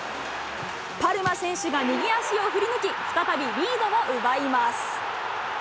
パルマ選手が右足を振り抜き、再びリードを奪います。